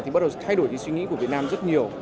thì bắt đầu thay đổi cái suy nghĩ của việt nam rất nhiều